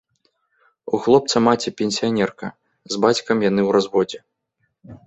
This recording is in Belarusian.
У хлопца маці-пенсіянерка, з бацькам яны ў разводзе.